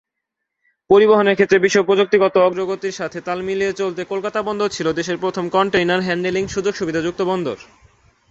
পরিবহনের ক্ষেত্রে বিশ্ব প্রযুক্তিগত অগ্রগতির সাথে তাল মিলিয়ে চলতে, কলকাতা বন্দর ছিল দেশের প্রথম কন্টেইনার হ্যান্ডলিং সু্যোগ-সুবিধা যুক্ত বন্দর।